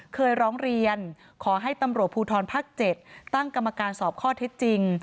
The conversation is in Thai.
เคยร้องเรียนขอให้ตำรวจภูทรภาค๗ตั้งกรรมการสอบข้อเท็จจริง